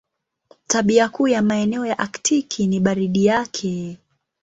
Tabia kuu ya maeneo ya Aktiki ni baridi yake.